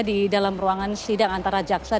di dalam ruangan sidang antara jaksa dan juga kuasa hukum